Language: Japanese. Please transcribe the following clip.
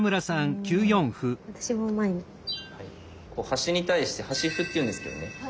端に対して「端歩」っていうんですけどね。